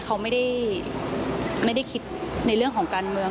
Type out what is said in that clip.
เขาไม่ได้คิดในเรื่องของการเมือง